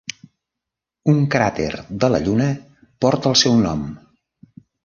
Un cràter de la Lluna porta el seu nom.